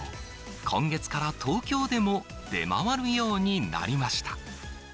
今月から東京でも出回るようになりました。